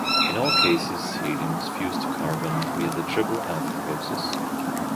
In all cases, helium is fused to carbon via the triple-alpha process.